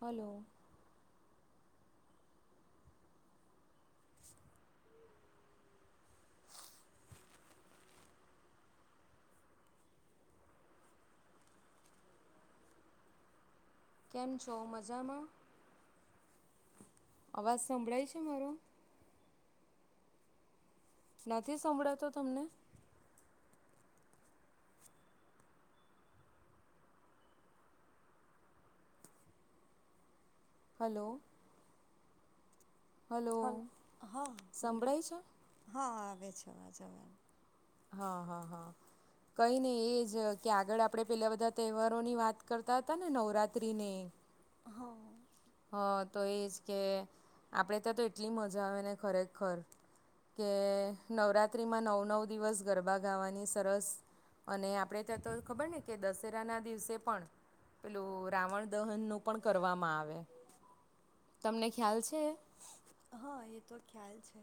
Hello. કેમ છો મજામાં? અવાજ સંભળાય છે મારો? નથી સંભળાતો તમને? હલો. હલો હલ્ હા હલો સંભળાય છે હા આવે છે આવાજ અવે. હા હા હા કઈ ને એજ કે આગળ આપણે પેલા બધા તહેવારોની વાત કરતા હતા ને નવરાત્રીને હા હં તો એ જ કે આપણે ત્યાં તો એટલી મજા આવે, ને ખરેખર કે નવરાત્રિમાં નવ-નવ દિવસ ગરબા ગાવાની સરસ અને આપણે ત્યાં તો ખબર ને કે દશેરાના દિવસે પણ પેલું રાવણ દહનનું પણ કરવામાં આવે. તમને ખ્યાલ છે. હા એ તો ખ્યાલ છે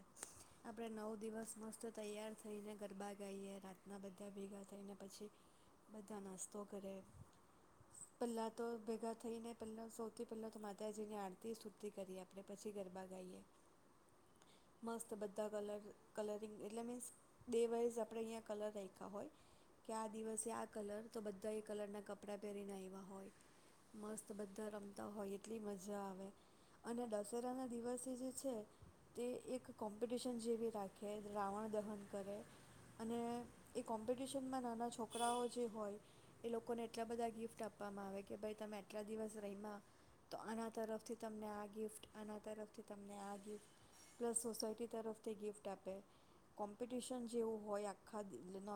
આપડે નવ દિવસ મસ્ત તૈયાર થઈને ગરબા ગાઈએ રાતના બધા ભેગા થઈને પછી, બધા નાસ્તો કરે પહેલા તો ભેગા થઈ ને પલા સૌથી પહેલા તો માતાજી ની આરતી સ્તુતિ કરીએ આપડે પછી ગરબા. મસ્ત બધા કલર કલિંગ એલે મીન્સ ડે વાઈઝ આપણે અહીંયા કલર રાખ્યા હોય કે, આ દિવસે આ કલર તો બધા એ કલરના કપડા પહેરીને એવા હોય મસ્ત બધા રમતા હોય એટલી મજા આવે અને દશેરાના દિવસે જે છે તે એક કોમ્પિટિશન જેવી રાખે રાવણ દહન કરે, અને એ કોમ્પિટિશનમાં નાના છોકરાઓ જે હોય એ લોકોને એટલા બધા ગિફ્ટ આપવામાં આવે કે ભાઈ તમે આટલા દિવસ રહીમાં તો આના તરફથી તમને આ ગિફ્ટ આના તરફથ તમને આ ગિફ્ટ પ્લસ સોસાયટી તરફથી ગિફ્ટ આપે. કોમ્પિટિશન જેવું હોય આખા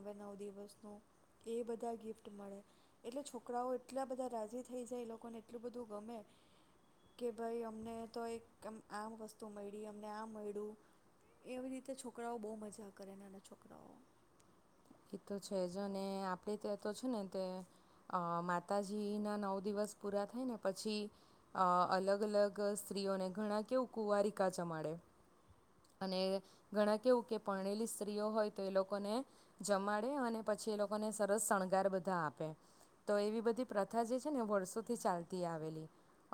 નવે નવ દિવસનું એ બધા ગિફ્ટ મળે એટલે છોકરાઓ એટલા બધા રાજી થઈ જાય એ લોકોને એટલું બધું ગમે કે ભાઈ અમને તો એકમ. આ વસ્તુ મળી અમને આ મળ્યું એવી રીતે છોકરાઓ બહુ મજા કરે નાના છોકરાઓ. એ તો છે અને આપણે ત્યા તો છે ને તે અ માતાજી ના નવ દિવસ પૂરા થાય ને પછી, અ અલગ-અલગ સ્ત્રીઓને ઘણા કેવું કુંવારિકા જમાડે અને ઘણા કેવું કે પરણેલી સ્ત્રીઓ હોય તો એ લોકોને. જમાડે અને પછી એ લોકોને સરસ શણગાર બધા આપે તો એવી બધી પ્રથા જે છે ને વર્ષોથી ચાલતી આવેલી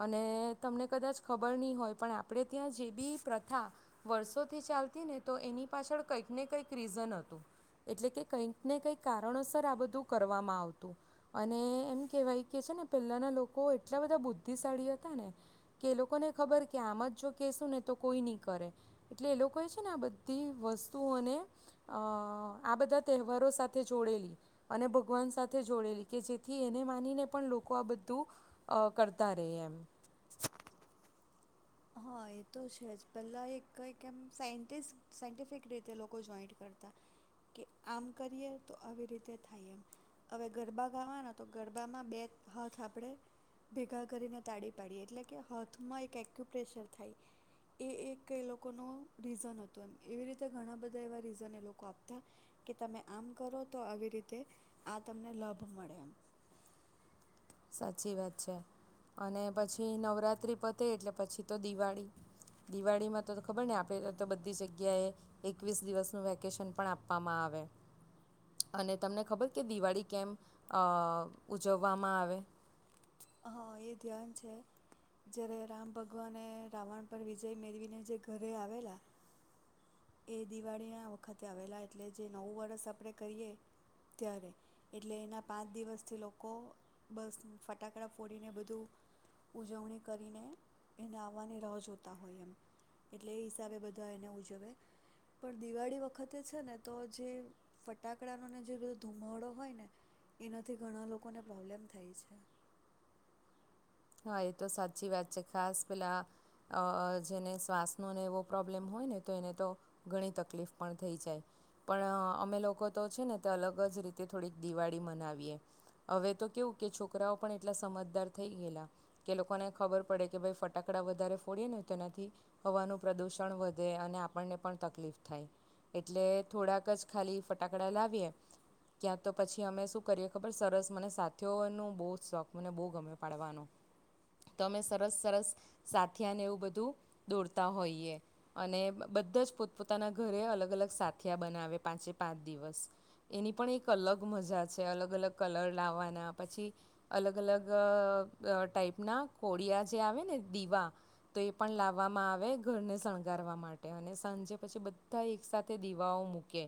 અને તમને કદાચ ખબર નહીં હોય પણ આપણે ત્યાં જે બી પ્રથા વર્ષોથી ચાલતી ને તો એની પાછળ કંઈક ને કંઈક રીઝન હતું. એટલે કે કંઈક ને કંઈક કારણોસર આ બધું કરવામાં આવતું અને એમ કહેવાય કે છે ને, પહેલાના લોકો એટલા બધા બુદ્ધિશાળી હતા ને કે એ લોકોને ખબર કે આમાં જ જો કહેશું ને તો કોઈ નહીં કરે એટલે એ લોકોએ છે ને આ બધી વસ્તુઓને અ આ બધા તહેવારો સાથે જોડેલી અને ભગવાન સાથે જોડેલી કે જેથી એને માનીને પણ લોકો આ બધું કરતા રહે એમ. હા એ તો છે જ પહેલા એકક એમ સાય સાયન્ટિફિક રીતે લોકો જોઈન્ટ કરતા કે આમ કરીએ તો આવી રીતે થાય, એમ હવે ગરબા ગાવાના તો ગરબામાં બે હાથ આપણે ભેગા કરીને તાળી પાડીએ એટલે કે હાથમાં એક પ્રેશર થાય એ એક એ લોકો ન રીઝન હતું એમ એવી રીતે ઘણા બધા એવા રીઝન એ લોકો આપતા કે તમે આમ કરો તો આવી રીતે આ તમને લાભ મળે એમ. સાચી વાત છે અને પછી નવરાત્રિ પતે એટલે પછી તો દિવાળી. દિવાળીમાં તો ખબર ને આપણે તો બધી જગ્યાએ એકવીસ દિવસનું વેકેશન પણ આપવામાં આવે અને તમને ખબર કે દિવાળી કેમ અ ઉજવવામાં આવે. હા એ ધ્યાન છે જ્યારે રામ ભગવાને રાવણ પર વિજય મેળવીને જે ઘરે આવેલા એ દિવાળીના વખતે આવેલા, એટલે જે નવું વરષ આપણે કરીએ ત્યારે એટલે એના પાંચ દિવસથી લોકો બસ ફટ ફટાકડા ફોડીને બધું ઉજવણી કરીને એને આવવાની રાહ જોતા હોય એમ એટલે એ હિસાબે બધા એને ઉજવે પણ દિવાળી વખતે છે ને તો જે ફટાકડાનો ને જેધ ધુમાવડો હોય ને એનાથી ઘણા લોકોને પ્રોબ્લેમ થાય છે. હા એ તો સાચી વાત છે. ખાસ પેલા જેને શ્વાસનોને એવો પ્રોબ્લેમ હોય ને તો એને તો ઘણી તકલીફ પણ થઈ જાય પણ અમે લોકો તો છે ને તે અલગ જ રીતે થોડીક દિવાળી મનાવીએ, હવે તો કેવું કે છોકરાઓ પણ એટલા સમજદાર થઈ ગયેલા. કે લોકોને ખબર પડે કે ભાઈ ફટાકડા વધારે ફોડીએ ને તેનાથી હવાનું પ્રદુષણ વધે અને આપણને પણ તકલીફ થાય, એટલે થોડાક જ ખાલી ફટાકડા લાવીએ ક્યાં તો પછી અમે શું કરીએ ખબર સરસ મને સાથીઓ ન બહુ શોખ મને બહુ ગમે પાડવાનો. તો અમે સરસ-સરસ સાથીયાને એવું બધું દોડતા હોઈએ અને બધા જ પોતપોતાના ઘરે અલગ-અલગ સાથીયા બનાવે પાંચે-પાંચ દિવસ એની પણ એક અલગ મજા છે અલગ અલગ કલર લાવવાના પછી અલગ અલગ. ટાાઈપના કોળિયા જે આવે ને દીવા તો એ પણ લાવવામાં આવે, ઘરને શણગારવા માટે અને સાંજે પછી બધા એક સાથે દીવાઓ મૂકે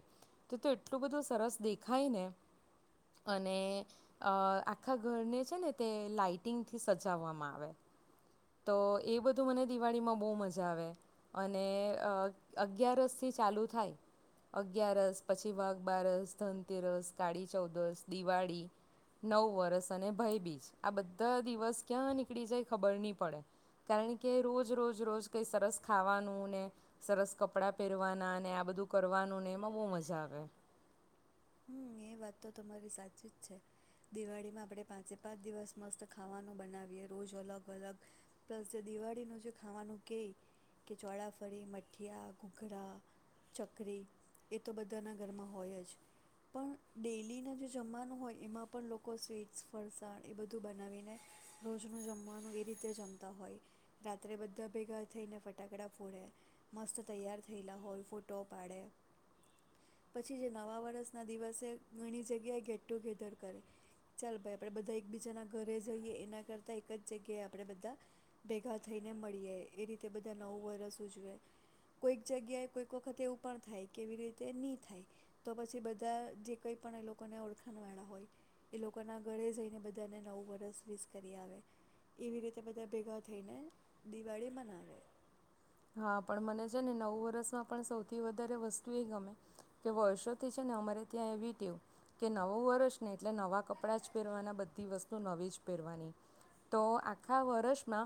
તો તો એટલું બધું સરસ દેખાય ને અને આખા ઘરને છે ને તે લાાઈટિંગ. થી સજવામાં આવે તો એ બધું મને દિવાળીમાં બહુ મજા આવે અને અગિયારસ થી ચાલુ થાય અગિયારસ પછી, વાઘ બારસ, ધનતેરસ, કાળી ચૌદસ, દિવાળી, નવવરસ અને ભયબીજ આ બધા. દિવસ ક્યાં નીકળી જાય ખબર નહી પડે, કારણ કે રોજ રોજ રોજ કઈ સરસ ખાવાનું ને, સરસ કપડા પહેરવાના ને આ બધું કરવાનું ને એમાં બહ મજા આવે. હમ એ વાત તો તમારી સાચી જ છે, દિવાળીમાં આપણે પાંચે પાંચ દિવસ મસ્ત ખાવાનું બનાવીએ રોજ અલગ અલગ, પ્લસ જે દિવાળીનું જે ખાવાનું કે કે ચોળાફરી મઠીયા ઘૂઘરા ચકરી એ તો બધાના ઘરમાં હોય જ. પણ ડેલીના જે જમવાનું હોય એમાં પણ લોકો સ્વીટ્સ ફરસાણ એ બધું બનાવીને, રોજનું જમવાનું એ રીતે જમતા હોય, રાત્રે બધા ભેગા થઈને ફટાકડા ફોડે, મસ્ત તૈયાર થયેલા હોય ફોટો પાડે, પછી જે નવા વરષ ના દિવસે ઘણી જગ્યાએ ગેટ ટુગેધર કરે, ચાલ ભાઈ આપણેે બધા એક બીજાના ઘરે જઈએ એના કરતા એક જ જગ્યાએ આપણેે બધા, ભેગા થઈને મળીએ એ રીતે બધા નવું વર્ષ ઉજવેય, કોઈક જગ્યાએ કોઈક વખત એવું પણ થાય કેવી રીતે નહી થાય, તો પછી બધ બધા જે કંઈ પણ એ લોકોને ઓળખાણવાળા હોય, એ લોકોના ઘરે જઈને બધાને નવું વરસ વીસ કરી આવે, એવી રીતે બધા ભેગા થઈને દિવાળી મનાવે. હા પણ મને છે ને નવું વર્ષમાં પણ સૌથી વધારે વસ્તુ એ ગમે, કે વર્ષોથી છે ને અમારે ત્યાં એવી વું કે નવું વર્ષ ને એટલે નવા કપડાં જ પહેરવાના બધી વસ્તુ નવી જ પહેરવાની તો આખા વર્ષમાં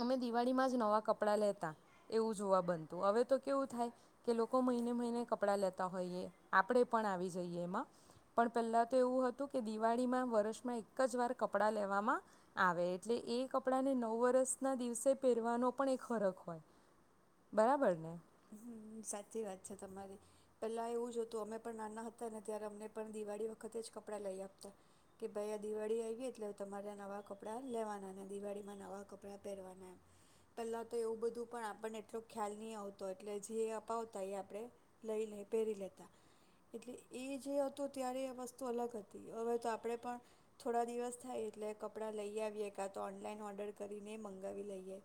અમે દિવાળીમાં જ નવા કપડાં લેતા. એવું જોવા બનતું હવે તો કેવું થાય, કે લોકો મહિને મહિને કપડા લેતા હોઈએ આપણેે પણ આવી જઈએ એમાં, પણ પહેલા તો એવું હતું કે દિવાળીમાં વર્ષમાં એક જ વાર કપડા લેવામાં આવે એટલે એ કપડા ને નવ વર્ષ ના દિવસે પહેરવાનો પણ એક ફરકય બરાબર ને. હમ સાચી વાત છે તમારી, પેલા એવું જ હતું અમે પણ નાના હતા ને ત્યારે અમને પણ દિવાળી વખતે જ કપડાં લઈ આપતા, કે ભાઈ આ દિવાળી આવી એટલે તમારે નવા કપડાં લેવાના ને દિવાળીમાં નવા કપડાં પહેરવાના એમ, પેલા તો એવું બધું પણ આપણને એટલો ખ્યાલ નહ આવતો. એટલે જે અપાવતા એ આપણે લઈ લ પહેરી લેતા, એટલે એ જે હતું ત્યારે વસ્તુ અલગ હતી હવે તો આપે પણ, થોડા દિવસ થાય એટલે કપડાં લઈ આવીએ કા તો ઓનલાઈન ઓર્ડર કરીને મંગાવી લઈએ,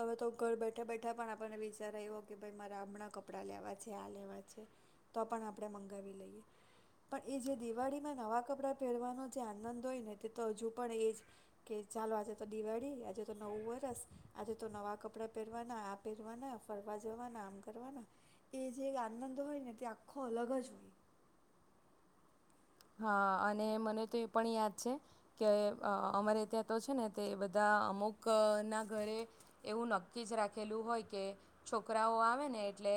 હવે તો ઘર બેઠા બેઠા પણ આપને બચાર એવો કે ભાઈ મારે હમણાં કપડાં લેવા છે આ લેવા છે, તો પણ આપણે મંગાવી લઈએ, પણ એ જે દિવાળીમાં નવાં કપડાં પહેરવાનો જે આનંદ હોય ને તે તો હજુ પણ એ જ કે ચાલો આજે તો દિવાળી આજે તો નવું વરસ આજે તો નવાં કપડાં પહેરવાના આ પહેરવાના. ફરવા જવાના આમ કરવાના, એ જે આનંદ હોય ને તે આખો અલગ જ હોય. હા અને મને તો એ પણ યાદ છે, કે અમારે ત્યાં તો છે ને તે બધા અમુક ના ઘરે, એવું નક્કી જ રાખેલું હોય કે છોકરાઓ આવે ને એટલે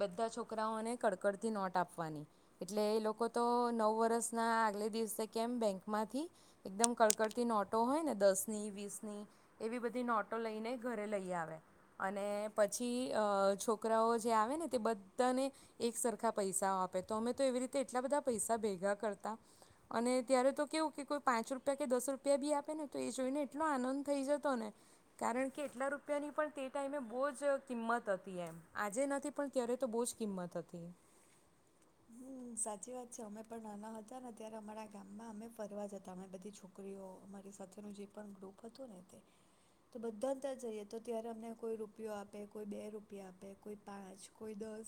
બધા છોકરાઓને કડકડતી નોટ આપવાની, એટલે એ લોકો તો નવ વર્ષ ના આગલે દિવસે કેમ બેંકમાંથી, એકદમ કડકડતી નોટો હોય ને દસ ની વીસ ની એવી બધી નોટો લઈને ઘરે લઈ આવે, અને પછી છોકરાઓ જે આવે ને તે બધાને એક સરખા પૈસા આપે તો અમે તો એવી રીતે એટલા બધા પૈસા ભેગા કરતા. અને ત્યારે તો કેવું કે કો પાંચ રૂપિયા કે દસ રૂપિયા બી આપે ને તો એ જોઈને એટલો આનંદ થઈ જતો ને કારણ કે એટલા રૂપિયાની પણ તે ટાઈમે બહજ કિંમત હતી એમ આજે નથી પણ ત્યારે તો બહુ જ કિંમત હતી. હમ સાચી વાત છે અમે પણ નાના હતા ને ત્યારે અમારા ગામમાં અમે ફરવા જતા અમે બધી છોકરીઓ અમારી સાથેનું જે પણ ગ્રુપ હતું ને તે, તો બધા ત જઈએ તો ત્યારે અમને કોઈ રૂપિયો આપે કોઈ બે રૂપિયા આપે કોઈ પાંચ કોઈ દસ,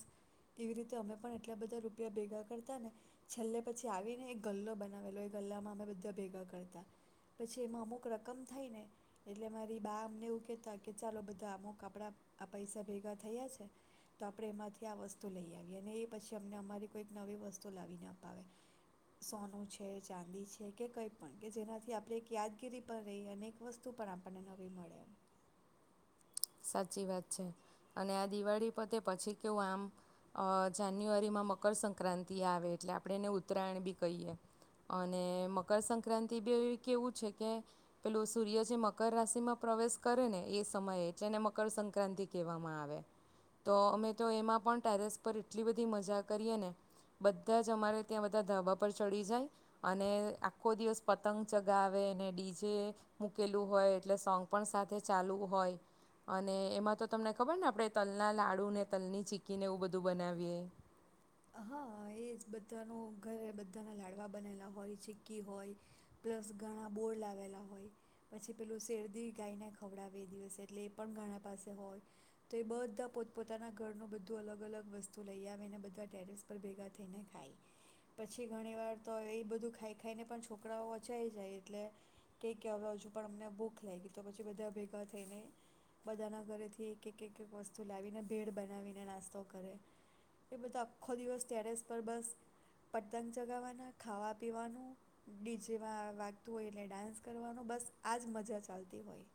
એવી રીતે અમે પણ એટલા બધા રૂ રૂપિયા ભેગા કરતા ને, છેલ્લે પછી આવીને એક ગલ્લો બનાવેલો એ ગલ્લામાં અમે બધા ભેગા કરતા, પછી એમાં અમુક રકમ થઈ ને એટલે મારી બા અમને એવું કહેતા કે ચાલો બધા અમુક આપણા આ પૈસા ભેગા થયા છે, તો આપણે એમાંથી આ વસ્તુ લઈ આવીએ અને એ પછી અમને અમારી કોઈક નવી વસ્તુ લાવી અપાવે સોનું છે, ચાંદી છે કે કંઈ પણ કે જેનાથી આપણે એક યાદગીરી પણ રહીએ અને એક વસ્તુ પણ આપણને નવી મળેમ. સાચી વાત છે, અને આ દિવાળી પતે પછી કેવું આમ જાન્યુઆરીમાં મકરસંક્રાંતિ આવે એટલે આપણે એને ઉત્તરાયણ બી કહીએ, અને મકરસંક્રાંતિ બી કેવું છે કે, પેલું સૂર્ય જે મકર રાશિમાં પ્રવેશ કરે ને એ સમયે જેને મકરસંક્રાંતિ કહેવામાં આવે, તો અમે તો એમાં પણ ટેરેસ પર એટલી બધી મજા કરીએ ને, બધા જ અમારે ત્યાં બધા ધાબા પર ચડી જાય, અને આખો દિવસ પતંગ ચગાવે અને ડીજે મૂકેલું હોય, એટલે સોંગ પણ સાથે ચાલવું હોય. અને એમાં તો તમને ખબર ને આપણે તલના લાડુ ને તલની ચીકીને એવું બધું બનાવીએ. હા એ જ બધાનું ઘરે બધાના લાડવા બનેલા હોય ચી્કી હોય, પ્લસ ઘણા બોર લાવેલા હોય પછી પેલું શેરદી ગાઈને ખવડાવે એ દિવસે એટલે એ પણ ઘણા પાસે હોય, તો એ બધા પોતપોતાના ઘરનું બધું અલગ અલગ વસ્તુ લઈ આવે ને બધા ટેરેસ પર ભેગા થઈને ખાય પછી ઘણી વાર તો એ બધું ખાઈ ખાઈને પણ છોકરાઓ અચાઈ જાય એટલે કે કે હવે હજુ પણ અમને ભૂખ લાગી તો પછી બધા ભેગા થઈને બધાના ઘરેથીઈઈક વસ્તુ લાવીને ભેડ બનાવીને નાસ્તો કરે એ બધા આખો દિવસ ટેરેસ પર બસ પતંગ ચગાવવાના ખાવા પીવાનું ડી જેમાં વાગતું હોય એટલે ડાન્સ કરવાનું બસ આ જ મજા ચાલતી હોય.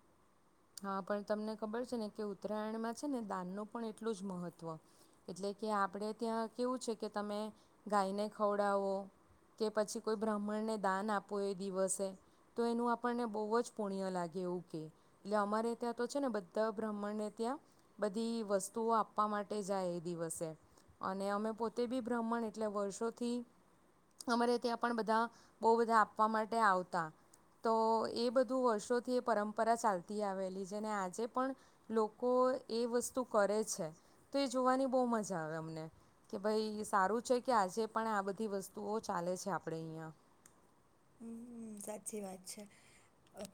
હા પણ તમને ખબર છે ને કે ઉત્તરાયણમાં છે ને દાનનું પણ એટલું જ મહત્વ એટલે કે આપણે ત્યાં કેવું છે કે તમે ગાયને ખવડાવો કે પછી કોઈ બ્રાહ્મણને દાન આપો એ દિવસે તો એનું આપણને બહુ જ પુણ્ય લાગે એવું કે. એટલે અમારે ત્યાં તો છે ને બધા બ્રાહ્મણને ત્યાં બધી વસ્તુઓ આપવા માટે જાય એ દિવસે અને અમે પોતે બી બ્રાહ્મણ એટલે વર્ષોથી અમારે ત્યાં પણ બધા બહુ બધા આપવા માટે આવતા તો એ બધું વર્ષોથી એ પરંપરા ચાલતી ચાલતી આવેલી છે ને આજે પણ લોકો એ વસ્તુ કરે છે તો એ જોવાની બહુ મજા આવે અમને કે ભાઈ સારું છે કે આજે પણ આ બધી વસ્તુઓ ચાલે છે આપણેે અહ્યાં. હ સાચી વાત છે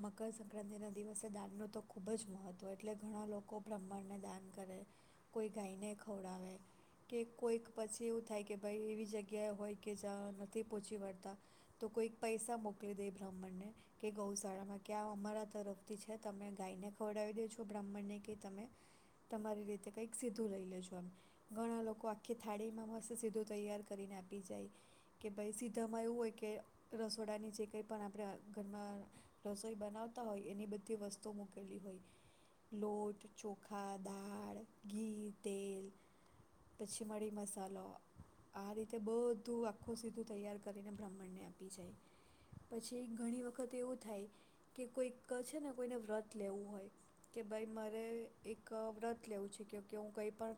મકરસંક્રાંતિના દિવસે દાનનું તો ખૂબ જ મહત્ત્વ એટલે ઘણા લોકો બ્રાહ્માંડને દાન કરે કોઈ ગાયને ખવડાવે કે કોઈક પછી એવું થાય કે ભાઈ એવી જગ્યાએ હોય કે જ્યાં નથી પહોંચી વળતા તો કોઈક પૈસા મોકલી દઈ બ્રાહ્મણને કે ગૌશાળામાં કે આ અમારા તરફથી છે તમે ગાયને ખવડાવી દેજો બ્રાહ્મણને કે તમે તમારી રીતે કંઈક સીધું લઈ લેજો આમ ઘણા લોકો આખી થાળીમાં મસ્ત સીધું તૈયાર કરીને આપી જાય કે ભાઈ સીધામાં એવું હોય કે રસોડાની જે કંઈ પણ આપણે ઘરમાં રસોઈ બનાવતા હોય એની બધી વસ્તુઓ મૂકેલી હોય લોટ, ચોખા, દાળ ઘી તેલ પછી મળી, મસાલો આ રીતે બ બધું આખું સીધું તૈયાર કરીને બ્રાહ્મણને આપે. પછી ઘણી વખત એવું થાય કે કોઈક છે ને કોઈને વ્રત લેવું હોય કે ભાઈ મારે એક વ્રત લેવું છે કે કે હું કઈ પણ